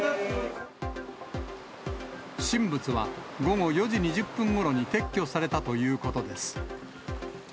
不審物は午後４時２０分ごろに撤去されたということです。